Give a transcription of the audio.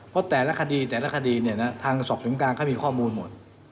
เพราะแต่ละคดีทางสอบสมการเขามีข้อมูลหมด